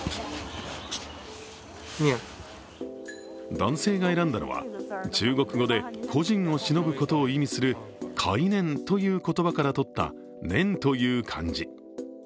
男性が選んだのは中国語で故人を偲ぶことを意味する懐念という言葉からとった「念」という漢字。